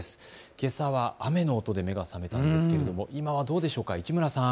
けさは雨の音で目が覚めたんですけれども今はどうでしょうか、市村さん。